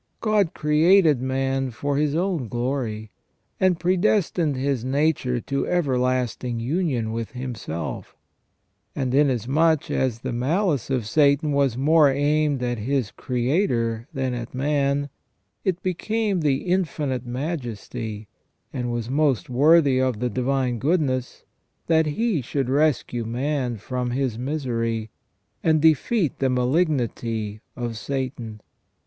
God created AND THE REDEMPTION OF CHRIST 297 man for His own glory, and predestined his nature to everlasting union with Himself ; and inasmuch as the malice of Satan was more aimed at his Creator than at man, it became the Infinite Majesty, and was most worthy the divine goodness, that He should rescue man from his misery, and defeat the malignity of Satan.